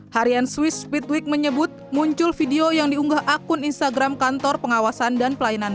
harian swiss speedwig menyebut muncul video yang diunggah akun instagram kantor pengawasan dan pelayanan